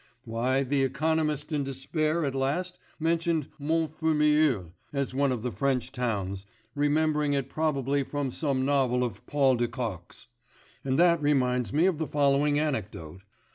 Why the economist in despair at last mentioned Mont Fermeuil as one of the French towns, remembering it probably from some novel of Paul de Kock's. And that reminds me of the following anecdote.